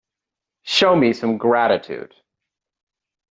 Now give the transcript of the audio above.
Show me some gratitude.